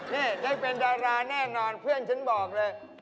นี่ได้เป็นดาราแน่นอนเพื่อนฉันบอกเลย